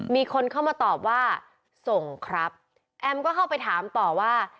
มีคนเข้ามาตอบว่าส่งครับแอมก็เข้าไปถามต่อว่า